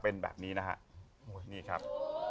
เป็นแบบนี้นะครับ